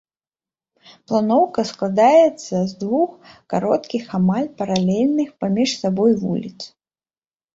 Планоўка складаецца з двух кароткіх амаль паралельных паміж сабой вуліц.